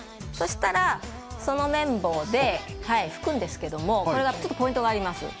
そしたら、その綿棒で拭くんですけどもちょっとポイントがあります。